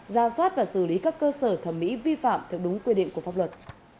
ra soát và xử lý các cơ sở thẩm mỹ vi phạm theo đúng quy định của pháp luật